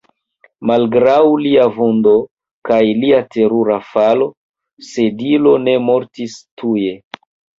Malgraŭ lia vundo kaj lia terura falo, Sedilo ne mortis tuje.